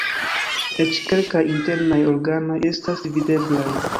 Eĉ kelkaj internaj organoj estas videblaj.